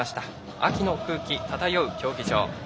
秋の空気漂う競技場。